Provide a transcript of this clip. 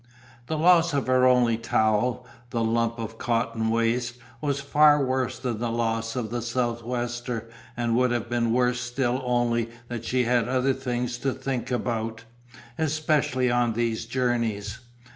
The loss of her only towel, the lump of cotton waste, was far worse than the loss of the sou'wester and would have been worse still only that she had other things to think about, especially on these journeys.